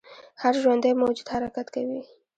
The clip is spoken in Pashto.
هر ژوندی موجود حرکت کوي